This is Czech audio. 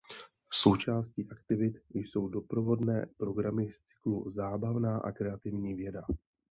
Součástí aktivit jsou doprovodné programy z cyklu Zábavná a kreativní věda.